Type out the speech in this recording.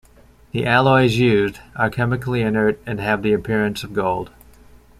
The alloys used are chemically inert and have the appearance of gold.